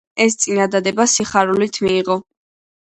მეფემ ეს წინადადება სიხარულით მიიღო.